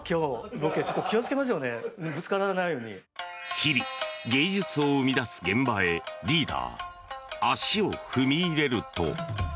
日々、芸術を生み出す現場へリーダー、足を踏み入れると。